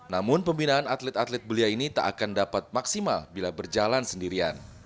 namun pembinaan atlet atlet belia ini tak akan dapat maksimal bila berjalan sendirian